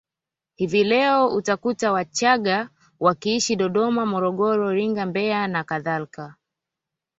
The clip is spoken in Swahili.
Hivi leo utakuta Wachagga wakiishi Dodoma Morogoro Iringa Mbeya na kadhalika